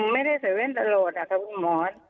ไม่ได้ใส่แว่นตลอดค่ะคุณหมอน